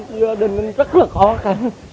gia đình anh rất là khó khăn